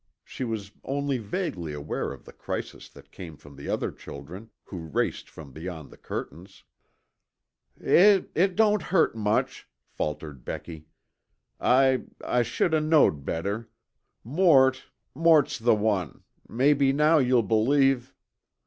She was only vaguely aware of the cries that came from the older children, who raced from beyond the curtains. "It it don't hurt much," faltered Becky. "I I should o' knowed better. Mort ... Mort's the one ... mebbe now you'll believe...."